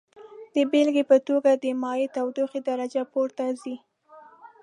د بیلګې په توګه د مایع تودوخې درجه پورته ځي.